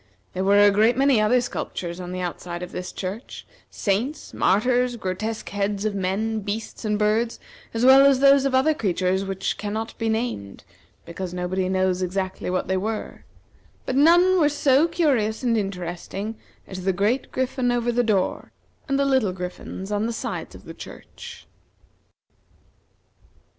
There were a great many other sculptures on the outside of this church, saints, martyrs, grotesque heads of men, beasts, and birds, as well as those of other creatures which cannot be named, because nobody knows exactly what they were; but none were so curious and interesting as the great griffin over the door, and the little griffins on the sides of the church.